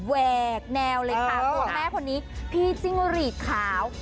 แหวกแนวเลยค่ะตัวแม่คนนี้พี่จิ้งหรีดขาว